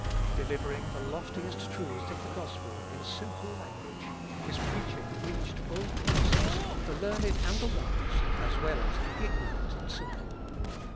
Delivering the loftiest truths of the gospel in simple language, his preaching reached all classes, the learned and the wise, as well as the ignorant and simple.